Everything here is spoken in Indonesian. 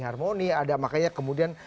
harmoni ada makanya kemudian